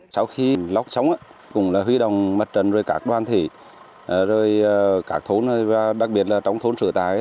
sau khi lốc sống cũng là huy động mặt trần rồi các đoàn thủy rồi các thôn đặc biệt là trong thôn sửa tài